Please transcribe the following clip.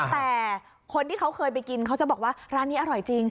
แต่คนที่เขาเคยไปกินเขาจะบอกว่าร้านนี้อร่อยจริง